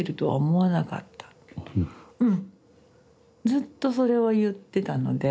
ずっとそれは言ってたので。